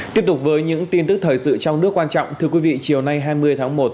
tiếp tục với những tin tức thời sự trong nước quan trọng thưa quý vị chiều nay hai mươi tháng một